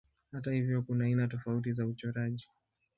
Hata hivyo kuna aina tofauti za uchoraji.